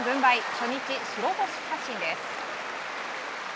初日、白星発進です。